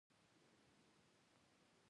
انا د صبر سمبول ده